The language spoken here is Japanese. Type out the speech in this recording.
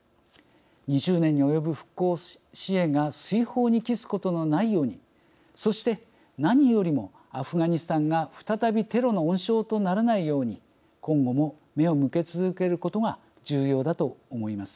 ２０年に及ぶ復興支援が水泡に帰すことのないようにそして何よりもアフガニスタンが再びテロの温床とならないように今後も目を向け続けることが重要だと思います。